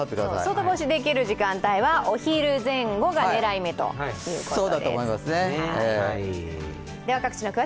外干しできる時間帯はお昼前後が狙い目ということで。